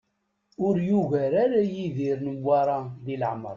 Ur yugar ara Yidir Newwara di leɛmer.